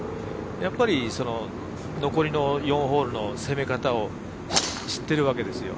やっぱり残りの４ホールの攻め方を知ってるわけですよ。